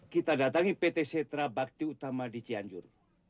kita datangi pt setra bakti utama di cianjur